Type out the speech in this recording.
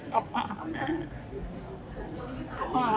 ถ้ากรุณหายความรักเกินบ้าง